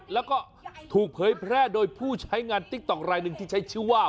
แล้วก็ถูกเผยแพร่โดยผู้ใช้งานติ๊กต๊อกรายหนึ่งที่ใช้ชื่อว่า